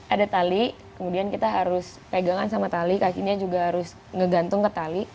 ada tali kemudian kita harus pegangan sama tali kakinya juga harus ngegantung ke tali